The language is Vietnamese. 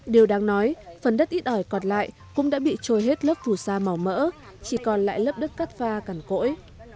điều đáng nói phần đất ít ỏi còn lại cũng đã bị trôi hết lớp phủ sa màu mỡ chỉ còn lại lớp đất cắt pha cằn cỗi